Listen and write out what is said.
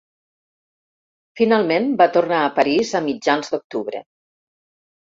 Finalment, va tornar a París a mitjans d'octubre.